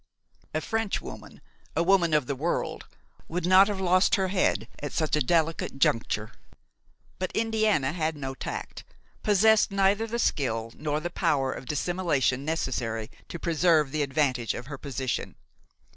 A French woman–a woman of the world–would not have lost her head at such a delicate juncture; but Indiana had no tact; possessed neither the skill nor the power of dissimulation necessary to preserve the advantage of her position.